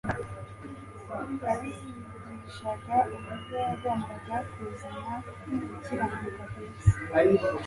Yabigishaga uburyo yagombaga kuzana "Gukiranuka ku isi"